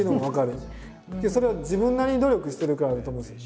けどそれは自分なりに努力してるからだと思うんですよ。